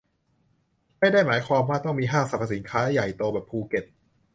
ไม่ได้หมายความว่าต้องมีห้างสรรพสินค้าใหญ่โตแบบภูเก็ต